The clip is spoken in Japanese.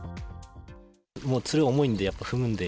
もう、ツル重いんで、やっぱ踏むんで。